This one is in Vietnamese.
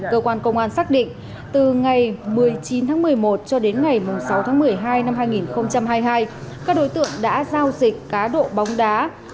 cơ quan công an xác định từ ngày một mươi chín tháng một mươi một cho đến ngày sáu tháng một mươi hai năm hai nghìn hai mươi hai các đối tượng đã giao dịch cá độ bóng đá